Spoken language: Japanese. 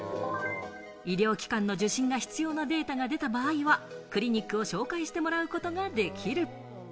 医療機関の受診が必要なデータが出た場合はクリニックを紹介してもらうことができる。